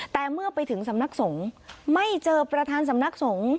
แต่เมื่อไปถึงสำนักสงฆ์ไม่เจอประธานสำนักสงฆ์